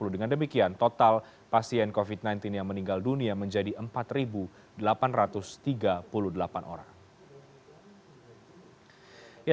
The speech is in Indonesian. dengan demikian total pasien covid sembilan belas yang meninggal dunia menjadi empat delapan ratus tiga puluh delapan orang